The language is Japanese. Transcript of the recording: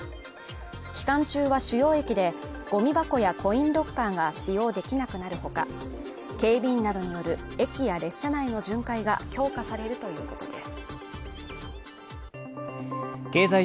期間中は主要駅でゴミ箱やコインロッカーが使用できなくなる他、警備員などによる駅や列車内の巡回が強化されるということです。